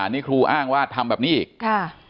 นี่ครูอ้างว่าทำแบบนี้อีกค่ะ